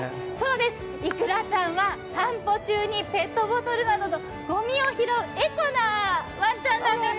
いくらちゃんは散歩中にペットボトルなどのごみを拾うエコなワンちゃんなんです。